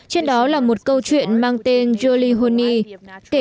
trên đó là một câu chuyện mang tên julie honey